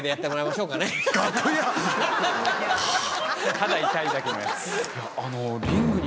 ただ痛いだけのやつ。